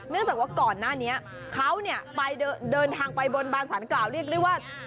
จากว่าก่อนหน้านี้เขาเนี่ยไปเดินทางไปบนบานสารกล่าวเรียกได้ว่า